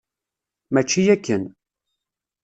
Mačči akken.